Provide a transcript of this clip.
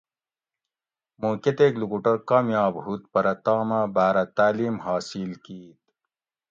مُوں کتیک لُکوٹور کامیاب ہُوت پرہ تامہ باۤرہ تعلیم حاصل کیت